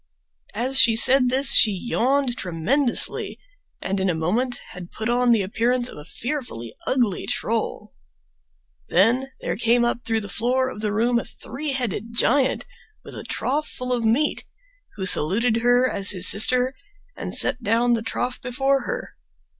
As she said this she yawned tremendously, and in a moment had put on the appearance of a fearfully ugly troll. Then there came up through the floor of the room a three headed giant with a trough full of meat, who saluted her as his sister and set down the trough before her.